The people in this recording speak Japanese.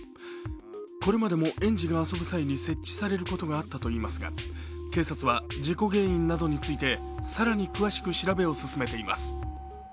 これまでも園児が遊ぶ際に設置されることがあったといいますが警察は事故原因などについて更に詳しく調べを進めています。